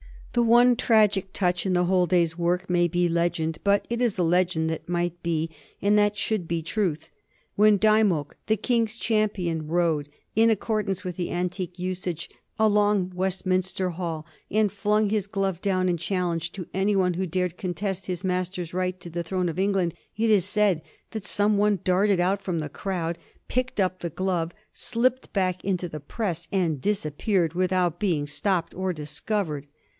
The one tragic touch in the whole day's work may be legend, but it is legend that might be and that should be truth. When Dymoke, the King's Champion, rode, in accordance with the antique usage, along Westminster Hall, and flung his glove down in challenge to any one who dared contest his master's right to the throne of England, it is said that some one darted out from the crowd, picked up the glove, slipped back into the press, and disappeared, without being stopped or discovered.